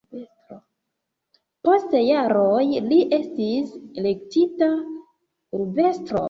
Post jaroj li estis elektita urbestro.